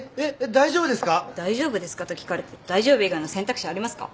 大丈夫ですかと聞かれて大丈夫以外の選択肢ありますか？